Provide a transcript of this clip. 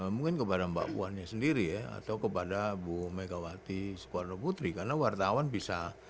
mungkin kepada mbak puannya sendiri ya atau kepada bu megawati soekarno putri karena wartawan bisa